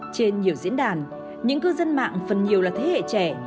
trên nhiều diễn đàn những cư dân mạng phần nhiều là thế hệ trẻ